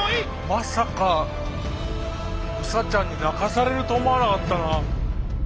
まさかウサちゃんに泣かされると思わなかったな。